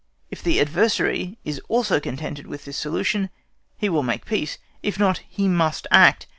If the adversary is also contented with this solution, he will make peace; if not, he must act.